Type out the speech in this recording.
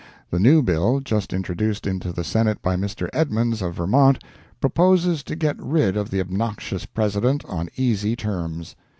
The new bill, just introduced into the Senate by Mr. Edmunds, of Vermont, proposes to get rid of the obnoxious President on easy terms.